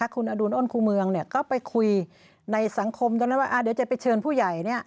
คุณอดุลอ้นครูเมืองก็ไปคุยในสังคมตรงนั้นว่าเดี๋ยวจะไปเชิญผู้ใหญ่